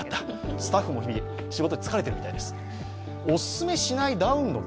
スタッフも仕事に疲れてるみたいです。